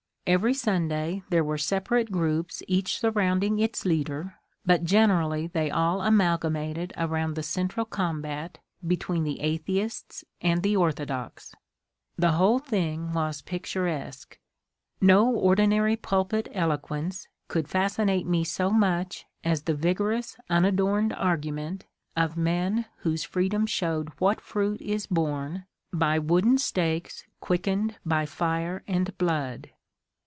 Every Sunday there were separate groups each surrounding its leader, but generally they all amalga mated around the central combat between the atheists " and the ^' orthodox." The whole thing was picturesque. No ordi nary pulpit eloquence could fascinate me so much as the vigorous unadorned argument of men whose freedom showed what fruit is borne by wooden stakes quickened by fire and blood.